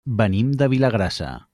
Venim de Vilagrassa.